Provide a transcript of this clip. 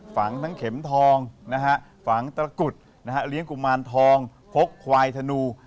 ฝังทั้งเข็มทองฝังตระกุฎเลี้ยงกุมารทองฟกควายธนู